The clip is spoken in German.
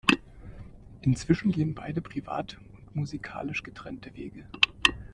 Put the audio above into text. Inzwischen gehen beide privat und musikalisch getrennte Wege.